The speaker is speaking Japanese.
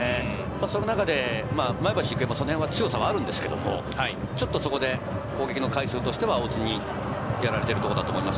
その中で前橋育英も強さはあるんですけど、ちょっと、そこで攻撃の回数としては大津にやられているところだと思います。